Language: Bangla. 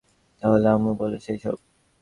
তাহলে আম্মুকে বলে দেই সব।